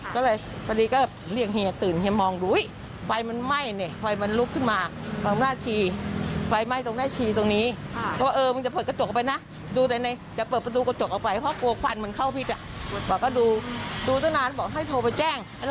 ก็เป็นการสันนิษฐานของแม่ชีท่านนะฮะ